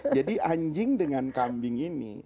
jadi anjing dengan kambing ini